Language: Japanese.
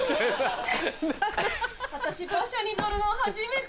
私馬車に乗るの初めて！